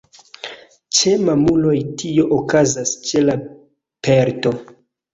Ĉe mamuloj tio okazas ĉe la pelto.